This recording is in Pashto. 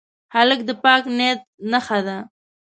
هلک د پاک نیت نښه ده.